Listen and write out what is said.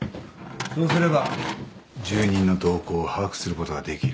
そうすれば住人の動向を把握することができる。